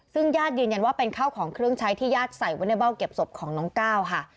ซึ่งญาติยืนยันว่าเป็นข้าวของเครื่องใช้ที่ญาติใส่ไว้ในเบ้าเก็บศพของน้องก้าวค่ะ